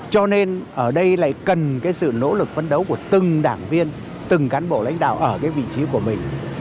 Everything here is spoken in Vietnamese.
cho nên ở đây lại cần cái sự nỗ lực phấn đấu của từng đảng viên từng cán bộ lãnh đạo ở cái vị trí của mình